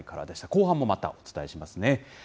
後半もまたお伝えしますね。